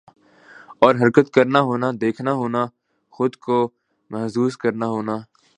اور حرکت کرنا ہونا دیکھنا کرنا خود کو محظوظ کرنا ہونا